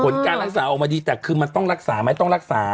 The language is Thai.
ผลการรักษาออกมาดีแต่คือมันต้องรักษาไหมต้องรักษา